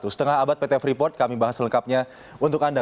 setengah abad pt freeport kami bahas selengkapnya untuk anda